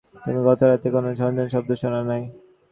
তুমি গত রাতে কোনো ঝন ঝন শব্দ শোনা নাই?